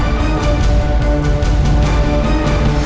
udah dia main diam sih